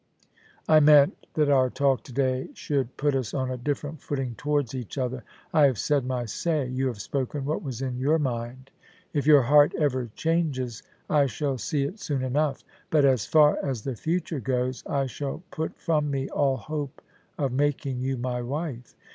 I meant that our talk to day should put us on a different footing towards each other. I have said my say. You have spoken what was in your mind If your heart ever changes, I shall see it soon enough ; but, as far as the future goes, I shall put from me all hope of making you my wife.